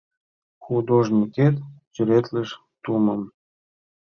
Художникет сӱретлыш тумым